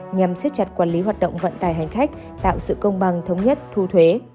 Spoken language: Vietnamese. nhằm xếp chặt quản lý hoạt động vận tài hành khách tạo sự công bằng thống nhất thu thuế